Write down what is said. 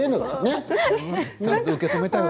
ちゃんと受け止めた。